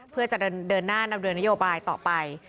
เพื่อจะเดินหน้านำเดินนโยบายต่อไป